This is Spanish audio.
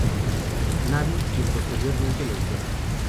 Navy, quien posteriormente lo usó.